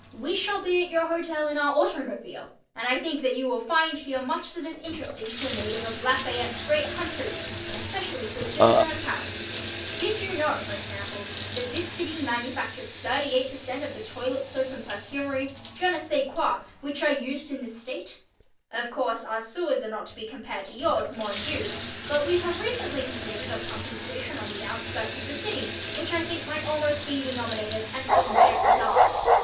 _ we shall be at your hotel in our automobile and I think that you will find here much that is interesting to a native of Lafayette's great country and especially to a citizen of Paris. Did you know, for example, that this city manufactures 38% of the toilet soap and perfumery je ne sais quoi which are used in this state? Of course, our sewers are not to be compared to yours, mon Dieu, but we have recently completed a pumping station on the outskirts of the city which I think might almost be denominated an objet d'art.